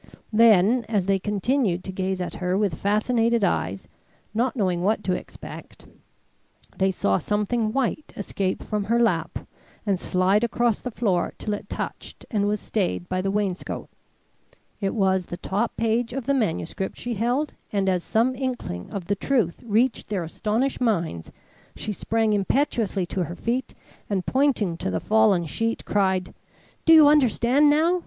Then, as they continued to gaze at her with fascinated eyes, not knowing what to expect, they saw something white escape from her lap and slide across the floor till it touched and was stayed by the wainscot. It was the top page of the manuscript she held, and as some inkling of the truth reached their astonished minds, she sprang impetuously to her feet and, pointing to the fallen sheet, cried: "Do you understand now?